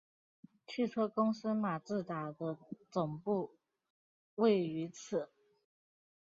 汽车公司马自达的总部位于此。